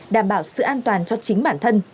đảm bảo sự an toàn cho chính bản thân